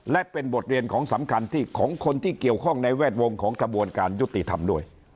และเป็นบทเรียนของสำคัญที่ของคนที่เกี่ยวข้องในแวดวงของกระบวนการยุติธรรมด้วย